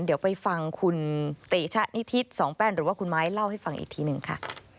เดี๋ยวไปฟังคุณติชะนิทิศสองแป้นหรือว่าคุณไม้เล่าให้ฟังอีกทีหนึ่งค่ะ